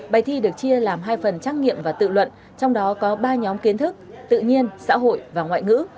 bài thi được chia làm hai phần trắc nghiệm và tự luận trong đó có ba nhóm kiến thức tự nhiên xã hội và ngoại ngữ